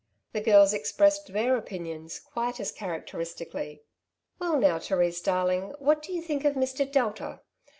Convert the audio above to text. The girls expressed their opinions quite as characteristically. '^ Well now, Therese darling, what do you think of Mr. Delta ?